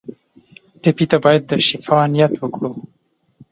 ټپي ته باید د شفا نیت وکړو.